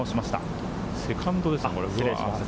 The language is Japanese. セカンドですね。